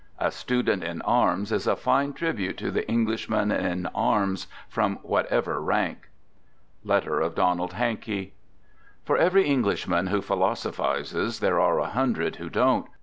" A Student in Arms " is a fine tribute to the Englishman in arms, from whatever rank. For every Englishman who philosophizes, there are a hundred who don't.